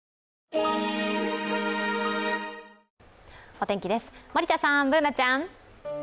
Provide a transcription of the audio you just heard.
お天気です、森田さんＢｏｏｎａちゃん。